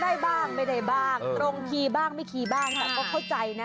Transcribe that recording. ยังไงอยู่ที่ไหนรู้ว่าเธอเป็นใคร